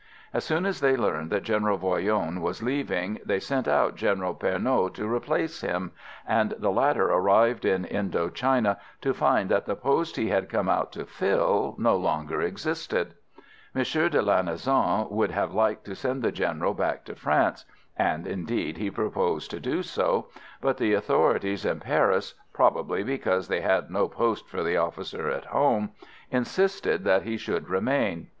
As soon as they learned that General Voyron was leaving, they sent out General Pernot to replace him, and the latter arrived in Indo China to find that the post he had come out to fill, no longer existed. M. de Lanessan would have liked to send the General back to France and indeed he proposed to do so but the authorities in Paris, probably because they had no post for the officer at home, insisted that he should remain.